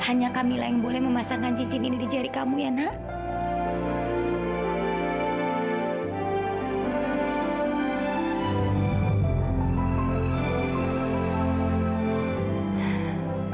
hanya kamilah yang boleh memasangkan cincin ini di jari kamu ya nak